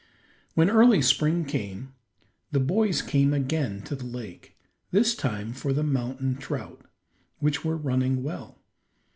When early spring came, the boys came again to the lake, this time for the mountain trout, which were running well.